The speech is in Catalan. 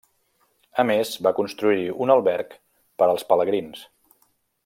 A més, va construir-hi un alberg per als pelegrins.